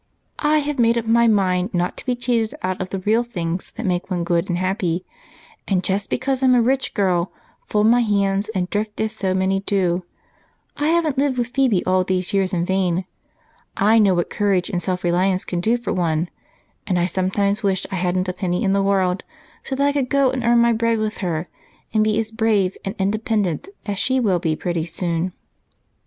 "I have made up my mind not to be cheated out of the real things that make one good and happy and, just because I'm a rich girl, fold my hands and drift as so many do. I haven't lived with Phebe all these years in vain. I know what courage and self reliance can do for one, and I sometimes wish I hadn't a penny in the world so that I could go and earn my bread with her, and be as brave and independent as she will be pretty soon."